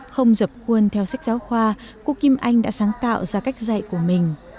không dập khuôn theo sách giáo khoa cô kim anh đã sáng tạo ra cách dạy của mình